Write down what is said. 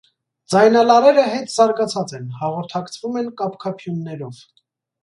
Ձայնալարերը հետզարգացած են, հաղորդակցվում են կափկափյուններով։